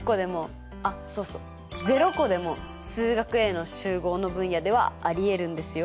あっそうそう０個でも「数学Ａ」の集合の分野ではありえるんですよ。